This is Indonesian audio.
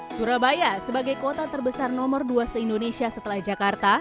surabaya sebagai kota terbesar nomor dua se indonesia setelah jakarta